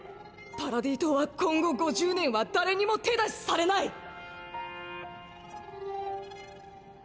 パラディ島は今後５０年は誰にも手出しされない！